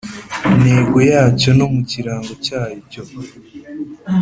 Ntego yacyo no mu kirango cyacyo